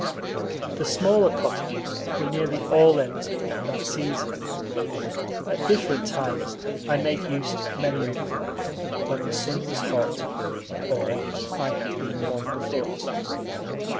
The smaller cottages were nearly all empty at that season. At different times I made use of many of them, when the sun was hot, or I had been long afoot.